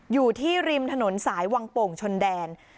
อยู่ที่ริมถนนสายวังโป่งชนแดน